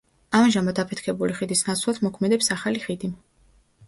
ამჟამად აფეთქებული ხიდის ნაცვლად მოქმედებს ახალი ხიდი.